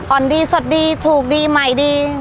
อ่อธรรมดีสดดีถูกดีใหม่หรือ